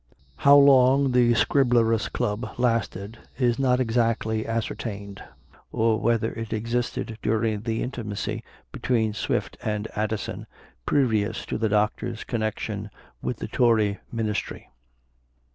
How long the Scriblerus Club lasted is not exactly ascertained, or whether it existed during the intimacy between Swift and Addison, previous to the Doctor's connection with the Tory ministry.